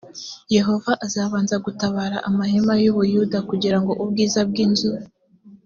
yehova azabanza gutabara amahema y u buyuda kugira ngo ubwiza bw inzu